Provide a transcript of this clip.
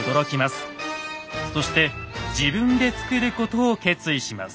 そして自分で作ることを決意します。